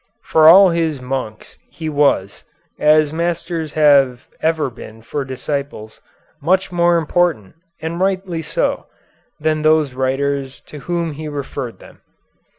For all of his monks he was, as masters have ever been for disciples, much more important, and rightly so, than those writers to whom he referred them.